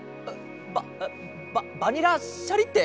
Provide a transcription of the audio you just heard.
バババニラ・シャリッテ！？